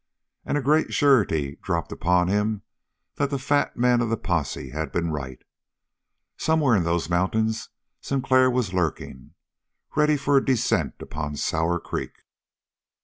And a great surety dropped upon him that the fat man of the posse had been right. Somewhere in those mountains Sinclair was lurking, ready for a descent upon Sour Creek.